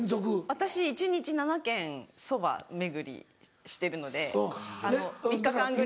私一日７軒そば巡りしてるので３日間ぐらいは。